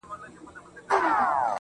لوبي وې_